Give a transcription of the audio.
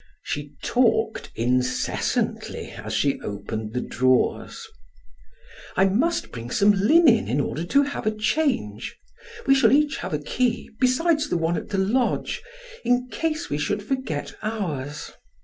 She talked incessantly as she opened the drawers: "I must bring some linen in order to have a change. We shall each have a key, besides the one at the lodge, in case we should forget ours.